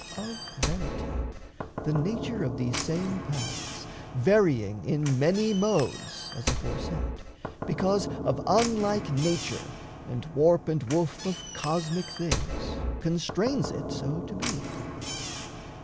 Of verity, the nature of these same paths, Varying in many modes (as aforesaid) Because of unlike nature and warp and woof Of cosmic things, constrains it so to be.